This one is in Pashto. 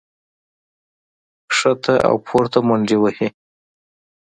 ښکته او پورته منډې وهي